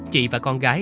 chị và con gái